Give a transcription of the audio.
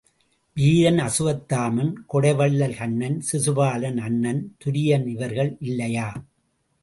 வீரன் அசுவத்தாமன், கொடைவள்ளல் கன்னன், சிசுபாலன், அண்ணன் துரியன் இவர்கள் இல்லையா?